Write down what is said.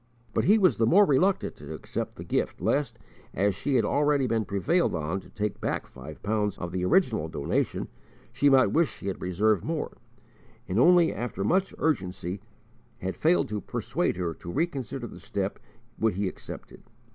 But he was the more reluctant to accept the gift lest, as she had already been prevailed on to take back five pounds of the original donation, she might wish she had reserved more; and only after much urgency had failed to persuade her to reconsider the step would he accept it.